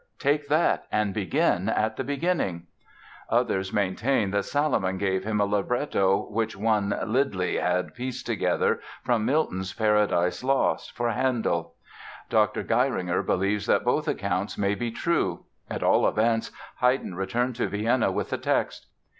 Take that and begin at the beginning!" Others maintain that Salomon gave him a libretto which one Lidley had pieced together from Milton's "Paradise Lost" for Handel. Dr. Geiringer believes that both accounts may be true. At all events, Haydn returned to Vienna with the text.